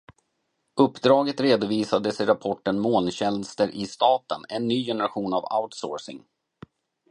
Uppdraget redovisades i rapporten Molntjänster i staten – en ny generation av outsourcing.